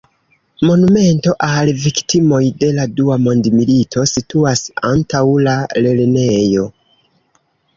Monumento al viktimoj de la Dua Mondmilito situas antaŭ la lernejo.